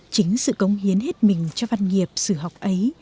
chính sự cống hiến hết mình cho văn nghiệp sử học ấy